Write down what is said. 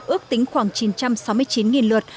ước tính khoảng chín trăm sáu mươi chín luật